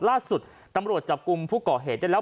ล่าสุดตำรวจจับกลุ่มผู้ก่อเหตุได้แล้ว